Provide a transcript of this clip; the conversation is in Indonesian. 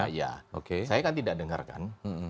iya saya kan tidak dengar kan